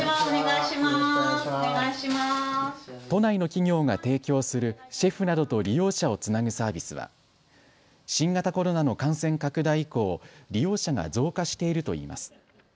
都内の企業が提供するシェフなどと利用者をつなぐサービスは新型コロナの感染拡大以降、利用者が増加しているといいます。